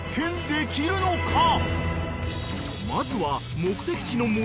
［まずは］